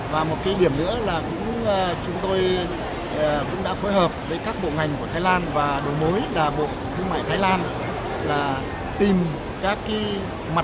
và một cái điểm nữa là chúng tôi cũng đã phối hợp với các bộ ngành của thái lan và đối mối là bộ thương mại thái lan là tìm các mặt hàng có thế mạnh của việt nam khác